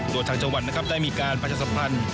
โดยทางจังหวัดนะครับได้มีการประชาสัมพันธ์